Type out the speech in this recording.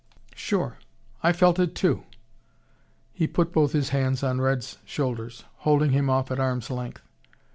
"Sure. I felt it, too." He put both his hands on Red's shoulders, holding him off at arm's length.